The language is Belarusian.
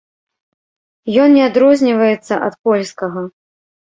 Ён не адрозніваецца ад польскага.